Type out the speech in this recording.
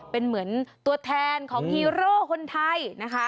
เป็นเหมือนตัวแทนของฮีโร่คนไทยนะคะ